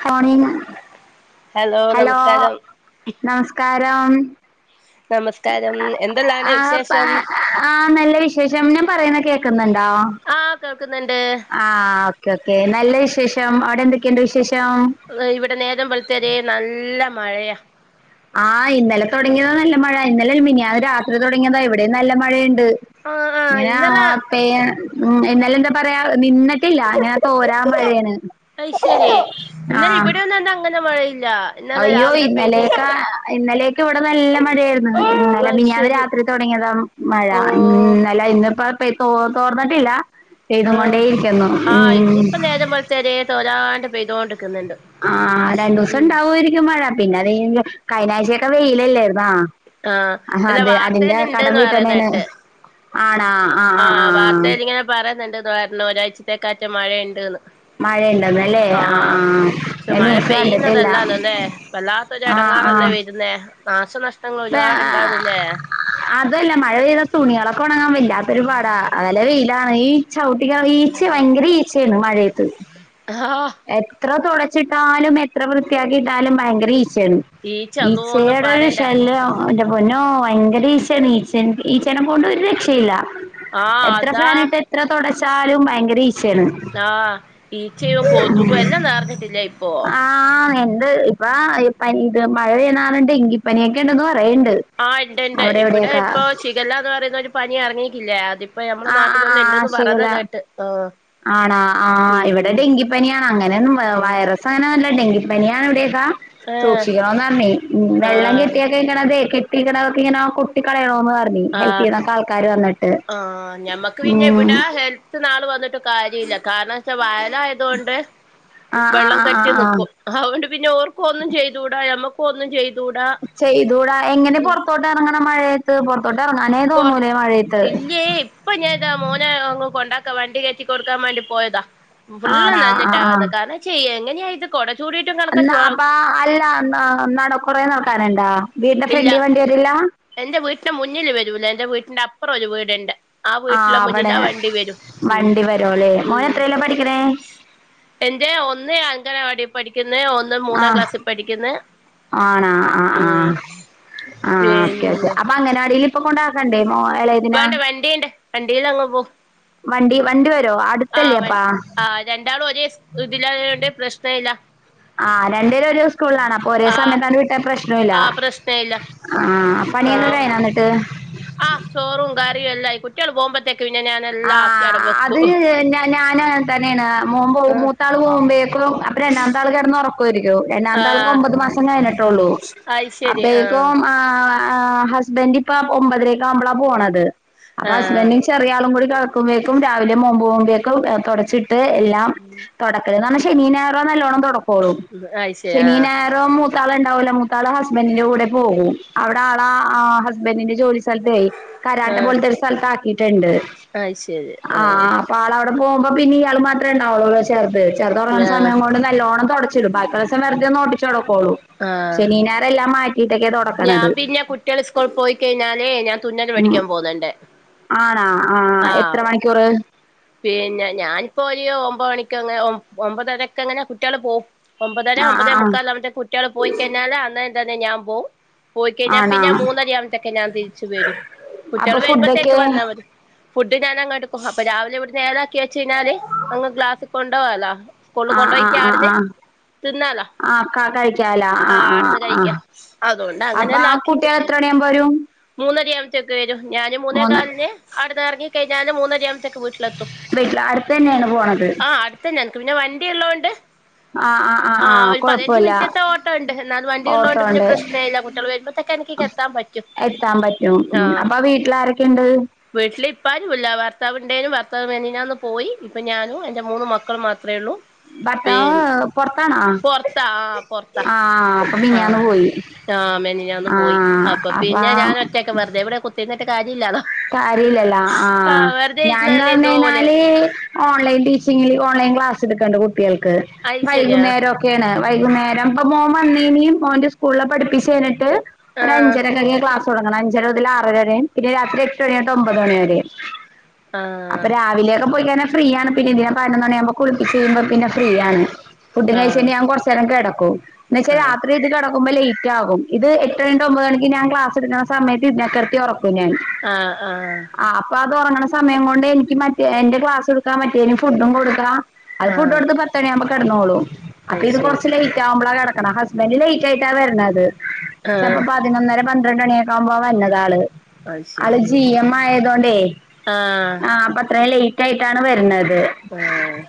ഹോണ hello നമസ്കാരം നമസ്കാരം എന്തെല്ലാണ് ആപ്പ വിശേഷം ആ നല്ല വിശേഷംനാ പറയുന്നൊക്കെ നല്ല ആഹ് കേൾക്കുന്നുണ്ട് അവിടെന്തൊക്കെയുണ്ട് വിശേഷം ഇവിടെ നേര പോലത്തേരെ നല്ല മഴയാ ആഹ് ഇന്നലെ തുടങ്ങിയതാ നല്ല മഴ ഇന്നലെ മിനിാ രാത്രി തുടങ്ങിയതോ എവിടെയും നല്ല മഴയുണ്ട് ആഹ് ആഹ് ഇന്നലെ ഇെ പറയാ നിന്നിട്ടില്ല അതിന തോരാൻ പഴേന് അഐശ്ശര്യ ഇന്നലെ ഇവിടെ വന്ന്ന്ന അങ്ങനെ മഴ അയ്യോ ഇന്നലേക്കാ ഇന്നലെയക്ക ഇവിടെ നല്ല മഴയായിരുന്നു ല്ല ഞാൻ അയ്ശരി രാത്രി തുടങ്ങിയതാ ഓഹ് മഴന്നല്ല ഇന്നിപ്പ ോ തോർന്നിട്ടില്ല ആ പെയ്തും കൊണ്ടേ ഇരിക്കുന്നു ആഹ് ഉം ഇന്നയിപ്പ നേര പോത്തരെ തോരാണ്ട് പ്തോണ്ട് ആ രണ്ടു ദിവസം ഉണ്ടാവുമായിരിക്കും മഴ പിന്നെ അത് കഴിഞ്ഞാഴ്ചയൊക്കെ വെയിലല്ലായിരുന്നാ ആഹ ആഹ് അല്ലാ അതെ അതിന്റെ വാർത്തൽ കടം ഇണ്ട്ന്ന് വീട്ടണേണ് പറയതായിട്ട് ആണാ ആഹ് ആഹ ആഹ് ആഹ് വാർത്തൽ ഇങ്ങനെ പറയുന്നുണ്ട്ാരണം ഒരാഴ്ചത്തേക്ക ആറ്റ മഴയുണ്ട്ന്ന് മഴയുണ്ടെന്നല്ലേ ആഹ് പക്ഷെ ഞാൻ മഴ ന്യൂസ് കണ്ടിട്ടില്ല പെയ്യുന്നതല്ലല്ലോല്ലേ വല്ലാത്തൊ ചട ആഹ് തങ്ങാറല്ല ആഹ് വരുന്ന നാശനഷം അതല്ല മഴ പെയ്ത തുണികളൊക്കെ ഉണങ്ങാൻ വില്ല ൊ ഒരു പടാ അല്ലെ വെയിലാണ് ഈ ചവിട്ടിക്ക ഈച്ച ഭയങ്കര ഈച്ചയാണ് മഴയത്തത് ആഹ് എത്ര തുടച്ചിട്ടാലും എത്ര വൃത്തിയാക്കിയിട്ടാലും ഭയങ്കര ഇ ച്ച ഈച്ച അള്ളോ ഒന്നും ഈച്ചയുടെ ഒരു പറയണ്ട ശല്യം എ പൊന്നോ ഭയങ്കര ഈശയാണ് ഈച്ച ഈ ചണം കൊണ്ട് ഒരു രക്ഷയില്ല ആഹ് എത്ര അതാ ഫാനായിട്ട് എത്ര തുടച്ചാലും ഭയങ്കര ഈച്ചയാണ് ആഹ് ഈച്ചയും കോതക്കും എല്ലാം നേർഞ്ഞിട്ടില്ലേ ഇപ്പോൊ ഇപ്പൊ പനി ഇത് മഴ പ്യറുണ്ട് എങ്കി പനിയൊക്കെ ഉണ്ടെന്ന് പറ ആഹ ഉണ്ട് ഇണ്ട് ഇവിടെ ഇപ്പൊ ചഗല്ല എന്ന് പറയുന്ന ഒരു പനി ഇറങ്ങിക്കില്ലേ അതി ഇപ്പ മ്മെ ആഹ് ആഹ് നാട്ടിലല്ലേ ആഹ് ഉണ്ടന്ന് പറഞ്ഞ ശിഖല കേട്ട് ആ ആണാ ആ് ഇവിടെ ഡെങ്കിപ്പനിയാണ് അങ്ങനെൊന്നും ആഹ് വൈറസ് അങ്ങനെ നല്ല ഡെങ്കിപ്പനിയാണ് ഇവിടെ ഏഹ് സൂക്ഷിക്കണംന്ന് പറഞ്ഞ വെള്ളം ആഹ് കെട്ടിയാ കഴിക്കണംതെെ ഇക്ക ഇങ്ങനെ കുട്ടികളയണോ ഹപ് ആഹ് ചെയ് ആൾക്കാര് വന്നിട്ട് ആഹ് ക്കജ ലഖാനാ സ ആ തൊണ്ട് ആഹ് ആഹ് വെള്ളം ആഹ് കറ്റി ആഹ് ആഹ് നക്കും അതുകൊണ്ട് പിന്നെ ഓർക്കും ഒന്നും ചെയ്തൂടാഞമ്മക്ക് പോന്നും ചെയ്ത് ചെയ്തൂടാ എങ്ങനെ പൊറത്തോട്ട് ഇറങ്ങണം മഴയത്ത്റ ൊറ ഇല്ല ഇപ്പൊ ഞാൻ ഇതാ മോന അങ്ങ് കൊണ്ടാക്കാ വണ്ട കൊടുക്കാൻ വേണ്ടി പോയതാ ഫുള് ആണാ ആഹ് നന്നിട്ടാവ ആഹ് കാരണം ചെയ്യ എങ്ങനെയ ഇത് കൊ എന്നാ അപ്പ അല്ല കുറേ നടക്കാരണ്ട്ണ്ട് ഇല്ല എറെ വീട്ടിന്റെ മുന്നില് വരല എൻറെ വീട്ടിന്റെ അപ്പുറം ഒരു വീട്ണ്ട് ആ വീട്ടിലെ ആഹ് അവടെ മുന്നിൽാ വണ്ടി വരും ഉ വണ്ടി വരോല്ലേ ഉ മോന് എത്രേലാ പഠിക്കണേ എന്റെ ഒന്ന് അങ്കനവാടി പഠിക്കുന്ന് ഒന്ന് മൂന്നാം ആഹ ക്ലാസ്സിൽ പഠിക്കുന്ന് ആണ ആ ആ ഉം ആ പിന്നെ ഓക്കേ ഓക്കേ അപ്പ അങ്ങനൊണെിലും ഇ കൊണ്ടാക്കണ്ടേ മോാ വേണ്ട വണ്ടിയുണ്ട് വണ്ടിൽ അങ്ങ് പോ വണ്ടി വണ്ട വ ആ വ ആ രണ്ടാളും ഒരേ ഇതില്ലാത കൊണ്ട് പ്രശ്ന ഇല്ല ആഹ് രണ്ടേര ഒരു ദിവ സ്കൂളിലാണ് അപ്പ ഒരേ ആ സമയത്ത് വിട്ടാ പ്രശ്നം ഇല്ല ആ പ്രശ്ന ഇല്ല ആഹ പനിയന്തയന വന്നിട്ട് ആഹ് ചോറും കാര്റും എല്ലായി കുറ്റികൾ പോകുമ്പത്തേക്ക ആ ല്ല അത് ഞാാന് തന്നെയാണ് മൻ പോ ആ മൂത്താൾ പോകുമ്പേക്കും അപ്പ രണ്ടാാംതാൾ കിടന്ന് പറഞ്ഞു ആ രം അത് ശരി ആ കഴിഞ്ഞി അ ആ് ഹസ്ബൻന്ഡ ഇപ്പ ഒമ്പതിലേക്ക ആകുമ്പളാ പോണത് അപ്പൊ ആ ഹസ്ബന്ഡും ചെറിയ ആളും കൂടി [unintelligible] ശനിയും ഞായറും നല്ലോണം തൊട്ക്കൊള്ളു. അത് ശരി ആ ശനിയും ഞായ മുത്താള്ണ്ടാവുല്ല മൂത്താള് ഹസ്ബൻഡിന്റെ കൂടെ പോകും അവിടെ ആള ആ ഹസ്ബൻഡിന്റെ ജോലി ജോലി സ്ഥലത്തെയ് കരാട്ട പോലത്തെ ഒരു സ്ഥലത്ത് ആക്കിട്ടുണ്ട്. അഹ് ശരി ആ പോവുമ്പോ പിന്നെ ഇയാൾ മാത്രേ ഉണ്ടാവൊള്ള ചെർത്. വെറ്ത് ഒറങ്ങ് ണ ആ സമയം കൊണ്ട് നല്ലോണം. തൊടച്ചിടും ബാക്കിയുള്ള സമയം [unintelligible] ആ [unintelligible] ആ ശനീ ഞായറും എല്ലാം മാറ്റി ഞാൻ പിന്നെ കുട്ടികൾ സ്കൂൾ പോയി കഴിഞ്ഞാലേ ഞാൻ തുന്നല് ഉം പടിക്കാൻ പോവുന്നുണ്ട് ആണാ ആഹ് ആ എത്ര മണിക്കൂറ് പിന്നെ ഞാനിപ്പോ ഒരു ഒമ്പത് മണിക്കക്ക് ഒമ്പതരക്കങ്ങനെ കുടിയാള് പോവും. ഒമ്പതര ആഹ് ഒമ്പതേ ആഹ് ആഹ് മുക്കാൽ കുട്ടികൾ പോയി കഴിഞ്ഞാല് അന്നേരം തന്നെ ഞാൻ പോകും. പോയി കഴിഞ്ഞാൽ ആണാ പിന്നെ മൂന്നരയാവുമ്പോത്തൊക്കെ ഞാൻ തിരിച്ചു വരും കുട്ടികൾ അപ്പൊ വരുമ്പോഴത്തേക്ക്ക് ഫുഡൊക്കെ വന്നാൽ മതി. ഫുഡ് ഞാന അങ് എടുക്കും അപ്പ രാവിലെ ഇവിടെ നേഏലാക്കിെ കഴിഞ്ഞാല് അങ് ഗ്ലാസ്സിൽ കൊണ്ടോ വാലോ? സ്കൂളിൽ ആഹ് ആഹ് ആഹ് കൊണ്ടുപോയിക്ക ആഹ് തിന്നാലോ ആഹ് ക കഴിക്കാലോ ആ ആഹ് ആഹ് ആടുന്ന് കഴിക്ക. ആഹ് അതോണ്ട് അങ്ങനെ അപ്പൊ ല്ലാം ആ ആക്കി വി കുട്ടികൾ എത്ര മണിയാകുമ്പോ വരും മൂന്നര ആവുമ്പത്തേക്ക് വരും ഞാന് മൂന്ന് മൂന്നേകാലിന് ആടെന്ന് എറങ്ങി കഴിഞ്ഞാല് മൂന്നര വീട്ടിലെത്തും വീട്ടില് അടുത്ത് തന്നെയാണ് പോണത് ആ അടുത്തെന്നെ എനക്ക് പിന്നെ വണ്ടിള്ളൊണ്ട് ആഹ് ആഹ് ആ ആഹ് ആഹ് ഒരു പതിനഞ്ച് കൊഴപ്പമില്ല മിനിറ്റത്തെ ഓട്ടോ ഉണ്ട് എന്നാലൽ വണ്ടിയ ഓട്ടോ ഉള്ളതോണ്ട് പിന്നെ ഉണ്ട് പ്രശ്ന എയ് ല്ല കുട്ടികൾ വരുമ്പോത്തൊക്കെ എനിക്ക് എത്താൻ പറ്റും എത്താൻ പറ്റും ആ ഉം അപ്പൊ വീട്ടിൽ ആരൊക്കെയുണ്ട് വീടില് ഇപ്പാരുല്ല ഭർത്താവ് ഇ ഭർത്താവ് മിനിഞ്ഞാന്ന് പോയി ഇപ്പം ഞാനും എൻ്റെ മൂന്ന് മക്കൾ മാത്രമേ ഉള്ളൂ. പി ഭർത്താവ് പൊറത്താണോ പൊറത്താ ആ പൊറത്താ ആഹ് അപ്പൊ ആ മിനിഞ്ഞാന്ന് പോയി ആ മെനിഞാന്ന് പോയി അപ്പൊ പിന്നെ ഞാൻ ഒറ്റക്കെ വെറുതെവിടെ കുത്തിരുന്നി കാര്ല്ലല്ല ആ ആഹ് വെറുതെ ഞാൻന്ന് ഇരുന്നാല് പറഞ്ഞ എന്തോപോലെ കഴിഞ്ഞാല് ഓൺലൈൻ ടീച്ചിങ്ങില് ഓൺലൈൻ ക്ലാസ് ക്ലാസെടുക്കണ്ട് കുട്ടികൾക്ക് അയ്ശരിയാ വൈകുന്നേരം ഒക്കെയാണ്. വൈകുന്നേരം ഇപ്പ മോൻ വന്ന് ഇനി മോന്റെ സ്കൂളിലെ പഠിപ്പിച്ച് കഴഞ്ഞിട്ട് ഒരു ആഹ് അഞ്ചര കൊക്കയാ ക്ലാസ് തുടങ്ങണം അഞ്ചര മുതൽ ആറരും പിന്നെ രാത്രി എട്ട് മണിയോട്ട് ഒമ്പത് മണി വരെയും. അപ്പൊ ആഹ് രാവിലെയൊക്കെ പോയിക്കാ ഫ്രീ ആണ് പിന്നെ ഇതിനെ പതിനൊന്നണിയാവുമ്പോ കുളിപ്പിച്ചയ്ഞ്ഞ പിന്നെ ഫ്രീ ആണ് ഫുഡി ആഹ് കഴിച്ചയിഞ്ഞ ഞാൻ കൊറച്ചേരംകടക്കും. ഓ എന്നച്ചാ ആഹ് രാത്രി ഇത് കിട കിടക്കുമ്പോൾ ആ ലേറ്റ് ആകും ഇത് എട്ടമണി തൊട്ട് ഒമ്പത് മണിക്ക് ഞാൻ ക്ലാസ്ടുക്കുന്ന സമയത്ത് ഇതിനക്കെടുത്തി ഉറക്കും ഞാൻ ആ ആ ആ അപ്പൊ അത് ഉറങ്ങണ സമയം കൊണ്ട് എനിക്ക് മറ്റേ എന്റെ ക്ലാസ് എടുക്കാ മറ്റേന്ഫുഡും കൊടുക്കാം. അത് ഫുഡ് ആഹ് കൊടുത്ത് പത്തണിയാവുമ്പോ കടന്നോളും അപ്പൊ അത് ഇത് ശരി കൊറച്ച് ലേറ്റ് ആവുമ്പളാ എടാ ഹസ്ബൻ് ലേറ്റ് ആയിട്ട വരുന്നത് ചെലപ്പൊ ആഹ് പതിനൊന്നര പന്ത്ര പന്ത്രണ്ടണിയൊക്കെ ആവുമ്പ ളാ വരുന്നതാള്. അത് ആള് ശരി ജി ആഹ് എം ആയതോണ്ടേ ആ അപ്പൊ അത്രയും ലേറ്റ് ആയിട്ടാണ് വരുന്നത്. ആ-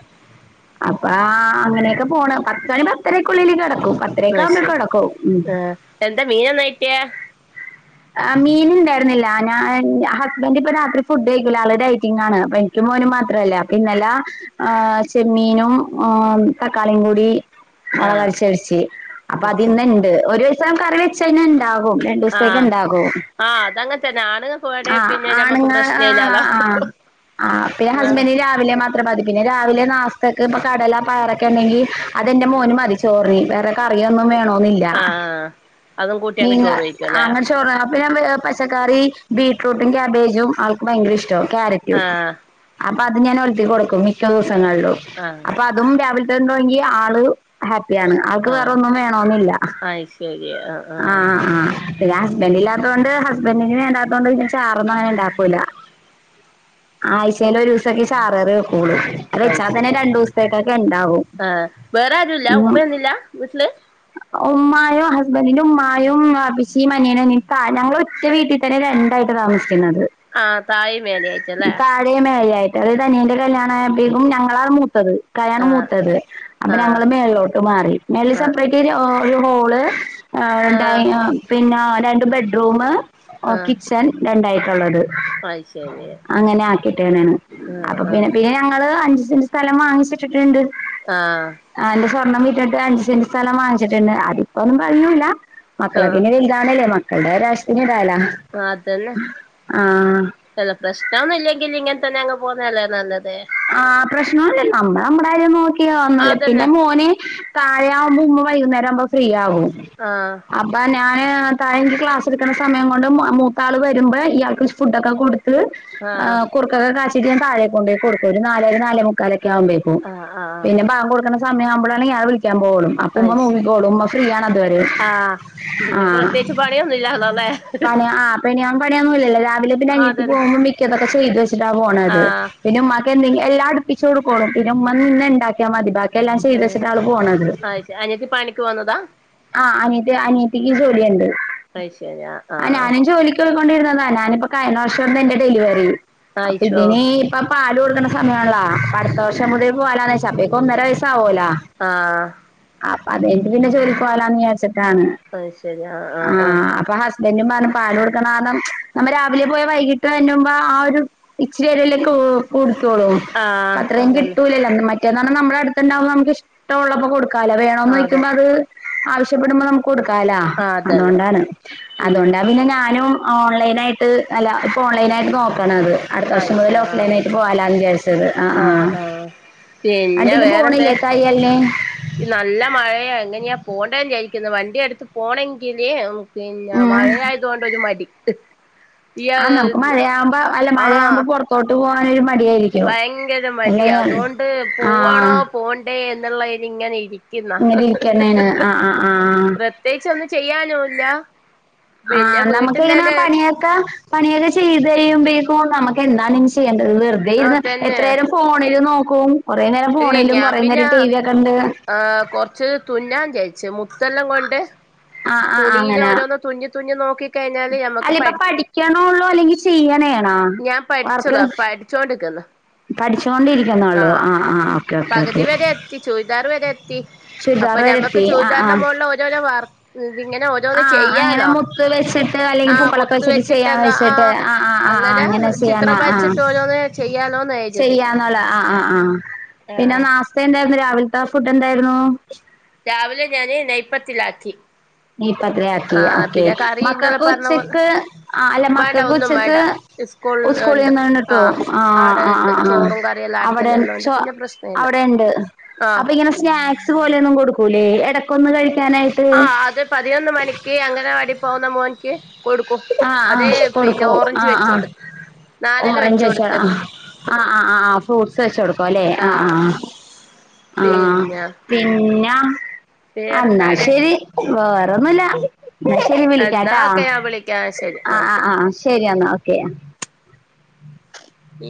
അപ്പ ആ അങ്ങനെയൊക്കെ പോണ് പത്തണി പത്തരക്കുള്ളില് കിടക്കും. അത് പത്തരയൊക്കാവുമ്പോ ശരി കിടക്കവും. ആഹ് എന്താ മീനെന്നാ കിട്ടിയേ ആ മീനിണ്ടായിരുന്നില്ല ഞാൻ ഹസ്ബൻഡ ഇപ്പ രാത്രി ഫുഡ് കഴിക്കൂല ആള് ഡയറ്റിംഗാണ്. എനിക്കും മോനും മാത്രല്ലേ അപ്പോ ഇന്നെലെ ഹ ചെമ്മീനും തക്കാളിയും കൂടി ആഹ് അതിനിണ്ട് [unintelligible] രണ്ട് ദിവസത്തേ ആഹ് ണ്ടാകോ ആഹ് അതങ്ങനെ തന്നെ ആണുങ്ങൾക്ക് വേണേ ആ പിന്നെ ഞമ്മക്ക് ആണുങ്ങ ആ പ്രശ്ന ഇല്ലാലോ ആ ആ്പിന്നെ ആഹ് ഹസ്ബന്ഡന് രാവിലെ മാത്രം മതി പിന്നെ രാവിലെ നാസ്ത ക്ക് ഇപ്പൊ കടല പയറൊക്കെ ണ്ടെങ്കി അതെന്റെ മോന് മതിച്ചോറിന് വേറെ കറിയൊന്നും വേ ആഹ് അതും കൂട്ടി അങ്ങ് ചോറ് കഴിക്കും അല്ലേ അ പിന്നെ പച്ചക്കറി ബീടറൂട്ടും ക്യാബേജും ആൾക്ക് ഭയങ്കര ഇഷ്ടമാണ് ആഹ് അപ്പൊ അത് ഞാൻ ഒലു കൊടുക്കും മിക്ക ആഹ് അപ്പ അതും രാവിലന്ന ആ ണ് അവൾക്ക് വേറെ ആഹ് ഒന്നും വേണന്നില്ല അത് ശരി ആഹ് ആഹ് ആഹ ആ് ഹസ്ബഡ ഇല്ലാ ത്തുകൊണ്ട് ഹസ്ബന്ഡറിങ്ങനെ ഉണ്ടാത്തതൊണ്ട് ഇങ്ങനെ ചാറന്നുംങ്ങനെ ഉണ്ടാക്കൂില്ല ആഴ്ചേൽ ഒരു ദിവസൊക്കെ ചാറ് വെക്കുള്ളൂ അത് വെച്ചാൽ തന്നെ രണ്ടു ദിവസത്തേക്ക ആ വേറെ ആരുല്ല ഉമ്മൊന്നില്ല വീട്ടില് ഉമ്മായു ഹസ്ബൻഡന്റെ ഉമ്മയും ബാപ്പച്ചി ഞാനിപ്പ ഞങ്ങൾ റ്റ വീട്ടിതന്നെ രണ്ടായിട്ട താമസി പിന്നത് ആഹ് താഴേം മേലേം ആയിട്ടല്ലേ താഴേ മേഴേ മറ്റത് തനിയന്റെ കല്യാണായപ്പീക്കും ഞങ്ങളാണ് മൂത്തത് ക്കയാണ് ആഹ് മൂത്തത് അപ്പൊ ആഹ് ഞങ്ങള് മേളിലോട്ട് മാറി മേളില് ആഹ് സെപ്പറേറ്റായിട്ട് ഓ ഒരു ഹോള് ഹ് ആഹ് ഡൈൻ ഒ പിന്നെ രണ്ട് ബെഡ്റൂമ് ഓ ആഹ് കിച്ചൻ രണ്ടായിട്ടൊള്ളത് അത് ശരി അങ്ങനെ ആക്കിട്ടേന്നാണ് ആഹ് അപ്പൊ പിന്നെ ആഹ് പിന്നെ ഞങ്ങള് അഞ്ച് സെൻറ് സ്ഥലം വാങ്ങിച്ചിട്ടിട്ടുണ്ട് ആ ആ എന്റെ സ്വർണം വിറ്റിട്ട് അഞ്ച് സെന്റ് സ്ഥലം വാങ്ങിച്ചിട്ടുണ്ട് അതിപ്പൊന്നും കഴിയൂല ആ എന്താണല്ലേ മക്കളുടെ ഓരോ ആശ്ര്യം അതന്നെ എല്ല പ്രശ്നൊന്നും ഇല്ലെങ്കിലിങ്ങന തന്നെ അങ് പോകുന്നതല്ലേ നല്ലത് ആ പ്രശ്നൊന്നൂല്ല നമ്മള് നമ്മുടെ കാര്യം നോക്കിയ വന്നല്ലേ പിന്നെ അതന്നെ മോന് താഴെ ആവുമ്പോ ഉമ്മ വൈകുന്നേരം ആവുമ്പോ ഫ്രീ ആവും ആഹ് അപ്പൊ അവനെ ഞാന് താഴെ എനിക്ക് ക്ലാസ് എടുക്ക്ണ സമയം കൊണ്ട് മൂത്താൾ വരുമ്പോ ഇയാൾക്ക് ഫുടൊക്കെ കൊടു ത്ത് ആഹ് കുറുക്കൊക്കെ കാചിറ്റ് ഞാൻ താഴെ കൊണ്ടേ കൊടുക്കും ഒരു നാലര നാലേ മുക്കാലൊക്കെ ക്കെ ആവുമ്പേക്കും ആഹ് ആഹ് പിന്നെ ബാങ്ക് കൊടുക്കണ സമയം ആവൂമ്പളാണ് ഞാൻ വി ളിക്കാൻ പോവും അപ്പൊമ്മ അത് ശരി നോക്കിക്കോളും ഉമ്മ ഫ്രീ ആണതുവരെ ആഹ് ആ പിന്നെ പ്രത്യേകിച്ച് പണിയൊന്നും ഇല്ലാലോ അല്ലേ പണിയ ആ അപ്പെ ഞാൻ പണിയൊന്നും ഇല്ലല്ലോ രാവിലെ പിന്നെ അനിയത്തി അതന്നെ പോകുമ്പോ മിക്കതൊക്കെ ചെയ്തു വെച്ചിട്ടാ പോണത് ആഹ് പിന്നെ ഉമ്മാക്കെന്തെങ്കി എല്ലാ അടുപ്പിച്ച് കൊടുക്കോളും പിന്നെ ഉമ്മ നിന്ന് ണ്ടാക്കിയാ മതി ബാക്കി എല്ലാം ആഹ് ചെയ്തുച്ചിട്ട ആള് പോണത് അത് ശരി അനിയത്തി പണിക്ക് പോന്നതാ ആ അനീയത്തി അനിയത്തിക്ക് ജോലിയൊണ്ട് അത് ശരി ആഹ് ആ ആഹ് ഞാനും ജോലിക്ക് കൊണ്ടിരുന്നതാ ഞാനിപ്പൊ കഴിഞ്ഞ വർഷംന്ന് എന്റെ ഡെലിവറി അപ്പൊ ആയിശോ ഇതിന് ഇപ്പ പാല് കൊടുക്കണ്ട സമയണല്ലോപ്പൊ അടുത്ത വർ ഷം മുതല് പോവാലോന്ന് വെച്ചു അപ്പേക്കും ഒന്നര വയസ്സ് ആകുലോ ആ പാല് കയ്ഞ്ഞിട്ട് പിന്നെ ജോലിക്ക് പോവാലോന്ന് വിചാരിച്ചിട്ടാണ് അത് ശരി ആഹ് ആ ആഹ് ആഹ് അപ്പൊ തെന്നെ പറഞ് പാല് കൊടുക്കണാന്നും നമ്മെ രാവിലെ പോയാ വൈകീട്ട്ന്നു ആ ഒരു ഇച്ചിരിരിയിലേക്ക് ഓ കുടു ത്തോളൂ ആഹ് അത്രേം അതന്നെ കിട്ടൂലല്ലോ മറ്റേന്ന് പറഞ്ഞാ നമ്മുടെ അടുത്തണ്ടാവുമ്പ നമു ഇഷ്ടമുള്ളപ്പോൊ കൊടുക്ക കല വേണോന്ന് ആഹ് അതെ ചോയ്ക്കുമ്പോ അത് ആവശ്യപ്പെടുമ്പോ നമുക്ക് കൊടുക്കാലാ ആഹ് അതന്നെ അതുകൊണ്ടാണ് ഉം അതുകൊണ്ടാ പിന്നെ ഞാ നും ഓൺലൈനായിട്ട് അല്ല ഇപ്പോൾ ഓൺലൈനായിട്ട് നോക്കണ അത് അടുത്ത വർഷം ആഴ്ച മുതൽ ഓഫ് ആഹ് ലൈനായിട്ട് പോവാലാന്ന് വിചാരിച്ചത് അ ആ ആഹ് ആഹ് അന്റെ പിന്നെ ഇത് വേറെന്ത് പോണില്ലേ തയ്യൽന് ഈ നല്ല മഴയ എങ്ങനെയാ പോണ്ടെന്ന്ചാരിക്കുന്നു വണ്ടി എടുത്ത് പോണമെങ്കിലേ പിന്നെ ഉം മഴയായതുകൊണ്ടൊരു മടിത്ത് ആ നമുക്ക് മഴയാവുമ്പോ അല്ല മഴയാവുമ്പൊ പൊറത്തോട്ട് പോകാനൊരു മ ഭയങ്കര മടി അതോണ്ട് പോവാണോ ആഹ് പോണ്ടേ എന്നുള്ളതില് ഇങ്ങനെ ഇരി ക്കുന്ന ഇങ്ങനെ ഇരിക്കണേണ് ആഹ് ആഹ് ആഹ് പ്രത്യേകിച്ച് ഒന്നും ചെയ്യാനോല്ല ആ നമ്മുക്കിങ്ങനെ ആ പണിയൊക്കെ പണിയൊക്കെ ചെയ്ത് കഴിയുമ്പേക്കും നമുക്ക് എന്താണ ഇഞ് ചെ യ്യേണ്ടത് വെറുതെ ആഹ് ഇരുന്ന് തന്നെ എത്രേരം ഫോണിൽ നോക്കും കൊറേ നേരം ഇല്ലേ ഫോണിലും ഞാൻ കൊറേ പിന്നെ നേരം ടി വി ഒക്കെ കണ്ട് ഹ് കുറച്ച് തുന്നാൻ തേച്ച് മുത്തെല്ലാം കൊണ്ട് ആഹ് ആഹ് തുണിയില് അങ്ങനെ ഓരോന്ന് തുന്നി തുന്നി നോക്കി കഴിഞ്ഞാല് ഞമ്മക്ക് അല്ല ഇപ്പൊ പഠി പഠിക്കണോള്ളൂ അല്ലെങ്കിൽ ചെയ്യണേണോ ഞാൻ വർക്ക് പഠിച്ചതാ പഠിച്ചോണ്ടിക്കുന്നു ആ പഠിച്ചോണ്ടിരിക്കുന്നോള്ളൂ ആഹ് ആഹ് ഓക്കെ ഓക്കെ പകുതി ഓക്കെ വരെ എത്തി ചുരിദാർ വരെ എത്തി അപ്പൊ ചുരിദാർ വരെ ഞമ്മക്ക് ചുരിദാറിന്റെ മോളില് ഓരോരോ വർ ഇതിങ്ങനെ ആ ഓരോന്ന് അങ്ങനെ ചെയ്യാലോ മുത്ത് വെച്ചിട്ട് അല്ലെങ്കിൽ ആഹ് പൂക്കളൊക്കെ മുത്ത് വെച്ചിട്ട് ചെയ്യാൻ വെച്ചിട്ടെല്ലാം വെച്ചിട്ട് ആഹ് ആ ആ ആ് അങ്ങനെ ചെയ്യാനാ ചിത്രം ആ വരച്ചിട്ട് ഓരോന്ന് ചെയ്യാലോന്ന് കരുതി ചെയ്യാന്നോല് ആ ആ ആ പിന്നെ ആഹ് നാസ്ത എന്തായിരുന്നു രാവിലത്തെ ഫുഡ് എന്തായിരുന്നു രാവിലെ ഞാനെ നെയപ്പത്തിലാക്കി നൈപ്പത്രയാക്കി ഓക്കെ ഇന്നലെ മക്കക്ക് പറഞ്ഞ പോലെ ഉച്ചക്ക് ആ അല്ല വേണ്ട മക്കക്ക് ഒന്നും ഉച്ചക്ക് വേണ്ട സ്കൂൾ ഉണ്ട് സ്കൂളിൽന്ന് ആഹ് കിട്ടുംആ ആടെ ആ ആ ഉണ്ട് ആ ചോറും കറിയെല്ലാം ആടെ അവിടെ തന്നെ ഉള്ളോണ്ട് പിന്നെ പ്രശ്ന ഇല്ല അവിടെ ആഹ് അപ്പൊ ഇങ്ങനെ സ്നാക്സ് പോലെയൊന്നും കൊടുക്കൂല്ലേ ഇടക്കൊന്ന് കഴിക്കാനായിട്ട് ആഹ് അത് പതിനൊന്ന് മണിക്ക് അങ്ങനെ വാടി പോകുന്നെ മോൻക്ക് കൊടുക്കും ആഹ് അതെ ആഹ് പിന്നെ കൊടുക്കും ഓറഞ്ച് ആഹ് വെച്ച ആഹ് കൊടു നാരങ്ങ വെച്ച ഓറഞ്ച് കൊടുത്ത് ആ ആ ആ ആ ആ ഫ്രൂട്ടസ് വെച്ച കൊട്ക്കും ല്ലെ ആ ആ ആഹ് ആ പിന്നെ പിന്നെ എന്നാ വേറെന്താണ് ശരി വേറെൊന്നുല്ല എന്നാ ശരി എന്നാ വിളിക്കാട്ടാ ഓക്കെ ഞാൻ വിളിക്കാം ശരി ആ ആഹ് ആ ആ ശരി എന്നാ ഓക്കെ ഈ